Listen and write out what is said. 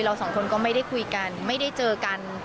สองคนก็ไม่ได้คุยกันไม่ได้เจอกัน